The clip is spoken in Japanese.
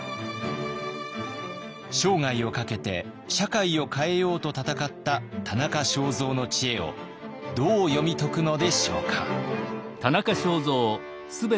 生涯をかけて社会を変えようと闘った田中正造の知恵をどう読み解くのでしょうか。